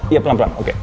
iya pelan pelan oke